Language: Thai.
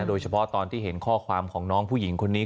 โดยเฉพาะตอนที่เห็นข้อความของน้องผู้หญิงคนนี้